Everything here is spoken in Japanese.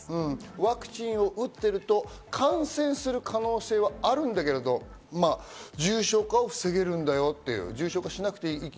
ワクチンを打っていると感染する可能性はあるんだけれど、重症化を防げるんだよと。